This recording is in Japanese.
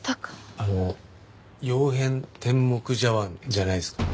あの曜変天目茶碗じゃないですか？